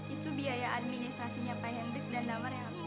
itu biaya administrasinya pak hendrik dan nomor yang harus